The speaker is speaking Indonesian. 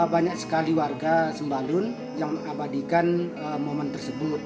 banyak sekali warga sembalun yang mengabadikan momen tersebut